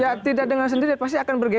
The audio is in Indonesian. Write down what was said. ya tidak dengan sendiri pasti akan bergeser